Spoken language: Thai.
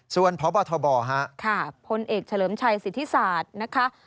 ส่วนพบทบค่ะพลเอกเฉลิมชัยสิทธิศาสตร์นะคะ